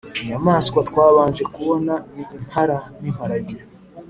Inyamaswa twabanje kubona ni impara n’imparage